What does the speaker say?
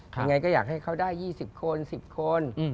ก็อย่างไรอยากให้เขาได้๒๐คน๑๐คน